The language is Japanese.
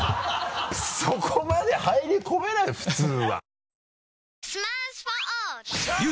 そこまで入り込めないよ普通は。